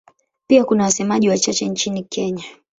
Pia kuna wasemaji wachache nchini Kenya.